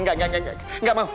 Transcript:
enggak enggak enggak enggak mau